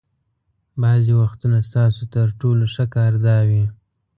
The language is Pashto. بعضې وختونه ستاسو تر ټولو ښه کار دا وي.